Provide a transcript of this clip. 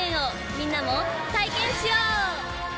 みんなも体験しよう。